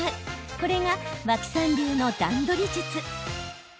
これが脇さん流の段取り術。